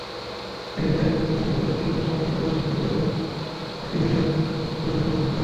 Secondary তথ্য সংগ্রহে ব্যাংকের বার্ষিক প্রতিবেদন, আইটিবিষয়ক বিভিন্ন প্রকাশনা ব্যবহার করা হয়েছে।